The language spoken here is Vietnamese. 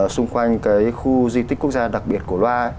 xung quanh cái khu di tích quốc gia đặc biệt cổ loa